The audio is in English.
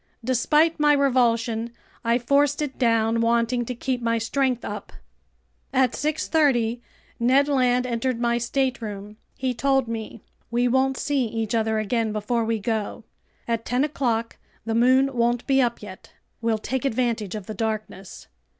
Despite my revulsion, I forced it down, wanting to keep my strength up. At 6:30 Ned Land entered my stateroom. He told me: "We won't see each other again before we go. At ten o'clock the moon won't be up yet. We'll take advantage of the darkness.